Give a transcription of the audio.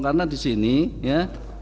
karena disini ya